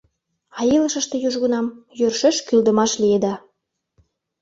А илышыште южгунам йӧршеш кӱлдымаш лиеда.